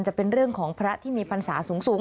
จะเป็นเรื่องของพระที่มีพรรษาสูง